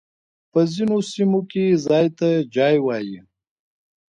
په ځينو سيمو کي ځای ته جای وايي.